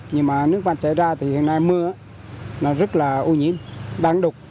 nhưng mà nước bạc trải ra thì hiện nay mưa là rất là ô nhiễm đáng đục